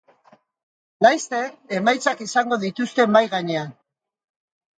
Laster, emaitzak izango dituzte mahai gainean.